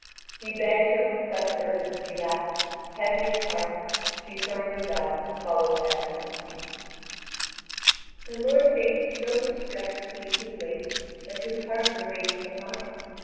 He begged her with such urgency that, heavy at heart, she turned about followed by her company. (Vv. 2639 2773.) My lord Yvain is so distressed to leave his lady that his heart remains behind.